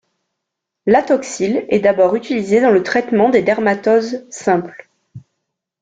L’atoxyl est d’abord utilisé dans le traitement des dermatoses simples.